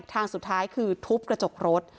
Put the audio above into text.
ทางสุดท้ายคือทุบกระจกรถ